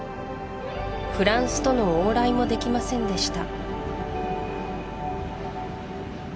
フランスとの往来もできませんでした